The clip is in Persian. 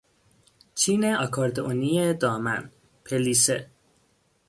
چین آکاردئونی دامن، پلیسه